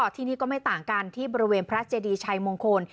ที่นี่ก็ไม่ต่างกันที่บริเวณพระเจดีชัยมงคล